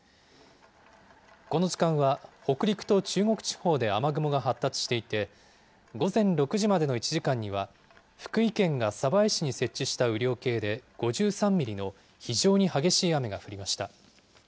この時間は、北陸と中国地方で雨雲が発達していて、午前６時までの１時間には、福井県が鯖江市に設置した雨量計で５３ミリの非常に激しい雨が降りました。